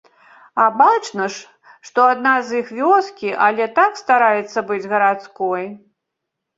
А бачна ж, што адна з іх з вёскі, але так стараецца быць гарадской.